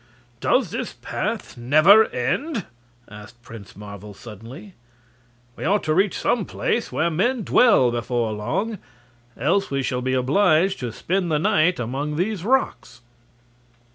"Does this path never end?" asked Prince Marvel, suddenly. "We ought to reach some place where men dwell before long, else we shall be obliged to spend the night among these rocks."